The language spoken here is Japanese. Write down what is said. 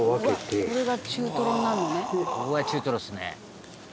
「ここが中トロですね」